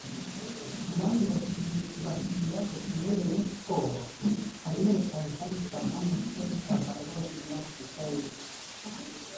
Mu bandi bakinnyi basohotse muri Rayon Sports harimo rutahizamu Shaban Hussein Tchabalala wagiye muri Afurika y’Epfo